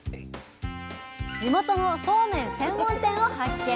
地元のそうめん専門店を発見。